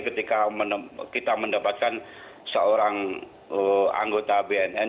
ketika kita mendapatkan seorang anggota bnn